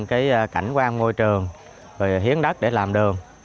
cảnh quan ngôi trường hiến đất để làm đường